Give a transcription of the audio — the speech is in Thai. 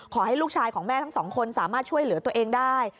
ขอให้ลูกชายของแม่ทั้งสองคนสามารถช่วยเหลือตัวเองได้